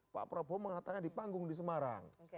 pak prabowo mengatakan di panggung di semarang